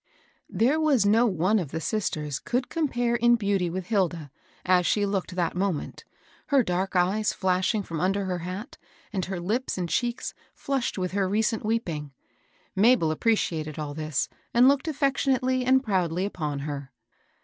There was no one of the sisters could compare in beauty with Hilda, as she looked that moment, — her dark eyes flashing from under her hat, and her lips and cheeks flushed with her recent wee^ 180 MABEL BOSS. ing. Mabel appreciated all this, and looked a£Feo tionately and proudly upon her.